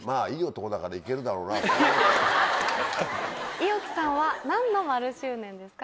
五百城さんは何の○周年ですか？